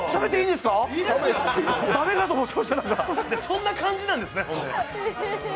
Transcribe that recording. そんな感じなんですね。